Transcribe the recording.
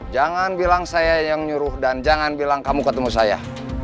jangan bilang saya yang nyuruh dan jangan bilang kamu ketemu saya